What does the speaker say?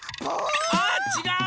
あちがう！